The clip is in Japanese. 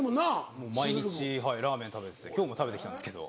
もう毎日ラーメン食べてて今日も食べてきたんですけど。